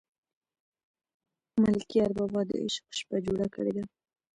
ملکیار بابا د عشق شپه جوړه کړې ده.